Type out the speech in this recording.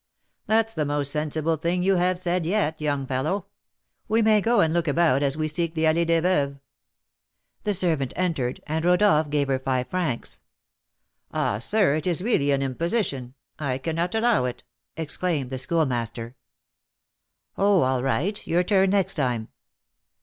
"That's the most sensible thing you have said yet, young fellow; we may go and look about as we seek the Allée des Veuves." The servant entered, and Rodolph gave her five francs. "Ah, sir, it is really an imposition, I cannot allow it," exclaimed the Schoolmaster. "Oh, all right; your turn next time."